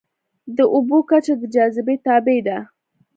د اوبو کچه د جاذبې تابع ده.